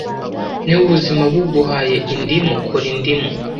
Niba ubuzima buguhaye indimu, kora indimu.